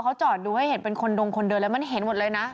เขาจอดดูให้เห็นเป็นคนดงคนเดินแล้วมันเห็นหมดเลยนะ